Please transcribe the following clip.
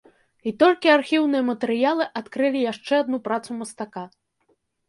І толькі архіўныя матэрыялы адкрылі яшчэ адну працу мастака.